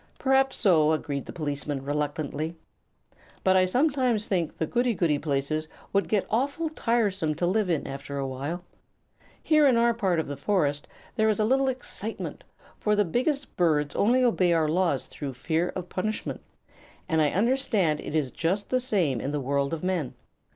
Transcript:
"Perhaps so," agreed the policeman, reluctantly. "But I sometimes think the goody goody places would get awful tiresome to live in, after a time. Here in our part of the forest there is a little excitement, for the biggest birds only obey our laws through fear of punishment, and I understand it is just the same in the world of men.